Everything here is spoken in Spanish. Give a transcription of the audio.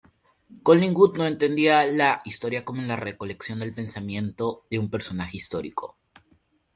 Collingwood no entendía la historia como la recolección del pensamiento de un personaje histórico.